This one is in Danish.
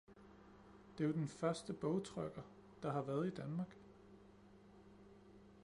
det er jo den første bogtrykker, der har været i Danmark?